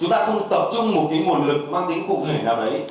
chúng ta không tập trung một cái nguồn lực mang tính cụ thể nào đấy